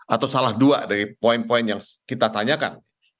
atau salah dua dari poin poin yang kita tanyakan